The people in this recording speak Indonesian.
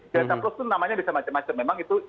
delta plus itu namanya bisa macam macam memang itu